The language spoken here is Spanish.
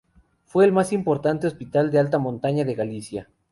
Fue el más importante hospital de alta montaña de Galicia.